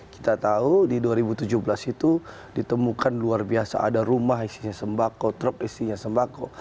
kita tahu di dua ribu tujuh belas itu ditemukan luar biasa ada rumah isinya sembako truk isinya sembako